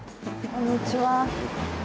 こんにちは。